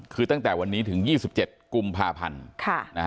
คือตั้งแต่วันนี้ถึง๒๗กุมภาพันธ์